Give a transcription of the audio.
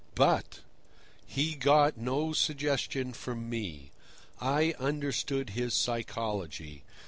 But he got no suggestion from me. I understood his psychology.